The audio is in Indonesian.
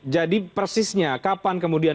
jadi persisnya kapan kemudian